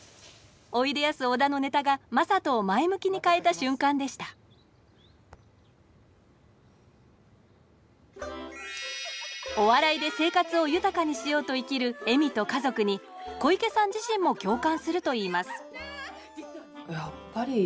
おいでやす小田のネタが正門を前向きに変えた瞬間でしたしようと生きる恵美と家族に小池さん自身も共感するといいます